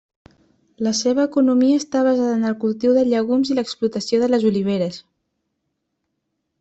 La seva economia està basada en el cultiu de llegums i l'explotació de les oliveres.